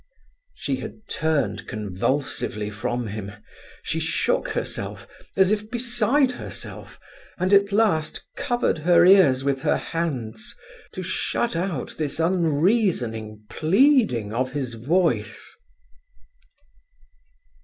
She had turned convulsively from him. She shook herself, as if beside herself, and at last covered her ears with her hands, to shut out this unreasoning pleading of his voice.